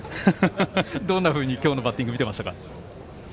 どんなふうに今日のバッティングを見ていましたか？